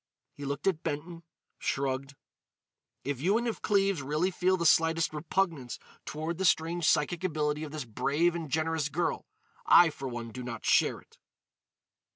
He looked at Benton, shrugged: "If you and if Cleves really feel the slightest repugnance toward the strange psychic ability of this brave and generous girl, I for one do not share it."